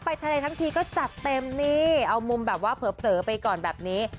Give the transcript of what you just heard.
ไปทะเลทั้งทีก็จัดเต็มนี่เอามุมแบบว่าเผลอไปก่อนแบบนี้